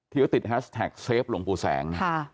ที่เขาติดแฮชแท็กเซฟหลวงปู่แสง